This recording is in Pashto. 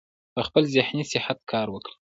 پۀ خپل ذهني صحت کار وکړي -